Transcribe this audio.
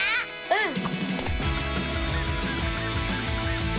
うん！